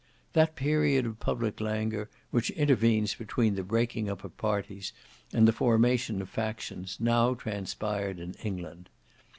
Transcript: That period of public languor which intervenes between the breaking up of parties and the formation of factions now transpired in England.